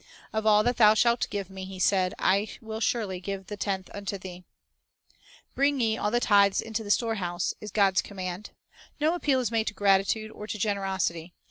"Of all that Thou shalt give me," he said, "I will surely give the tenth unto Thee." 1 ' "Bring ye all the tithes into the storehouse," 7 is God's command. No appeal is made to gratitude or to generosity.